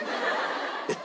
えっ。